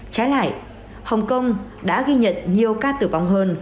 trái lại hồng kông đã ghi nhận nhiều ca tử vong hơn